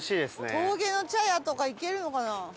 峠の茶屋とか行けるのかな？